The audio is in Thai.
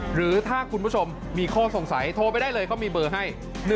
หรือถ้าคุณผู้ชมมีข้อสงสัยโทรไปได้เลยก็มีเบอร์ให้